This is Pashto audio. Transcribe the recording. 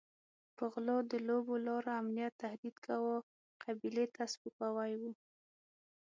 که غلو د لویو لارو امنیت تهدید کاوه قبیلې ته سپکاوی وو.